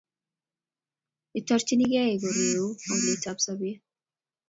itorchingei koreu olyetab sobeet